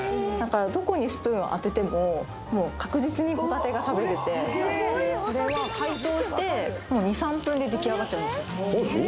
どこにスプーン当てても確実に帆立が食べれてこれは解凍して２３分で出来上がっちゃうんですよ